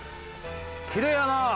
きれいやな。